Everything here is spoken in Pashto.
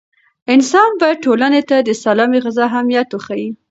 انسان باید ټولنې ته د سالمې غذا اهمیت وښيي.